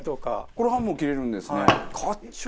これハムも切れるんですね。